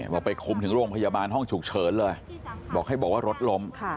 บอกไปคุมถึงโรงพยาบาลห้องฉุกเฉินเลยบอกให้บอกว่ารถล้ม